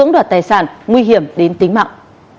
tất cả tài sản nguy hiểm đến tính mạng